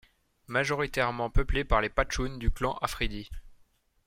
Majoritairement peuplée par les Pachtounes du clan Afridi.